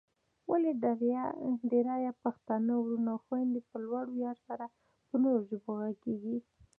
ولې ډېرای پښتانه وروڼه او خويندې په لوړ ویاړ سره په نورو ژبو غږېږي؟